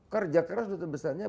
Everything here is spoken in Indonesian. kerja keras duta besarnya